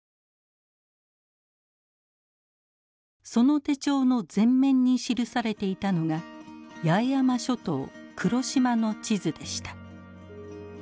その手帳の全面に記されていたのが八重山諸島・黒島の地図でした。